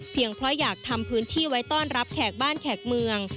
เพราะอยากทำพื้นที่ไว้ต้อนรับแขกบ้านแขกเมือง